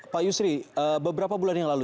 pak yusri beberapa bulan yang lalu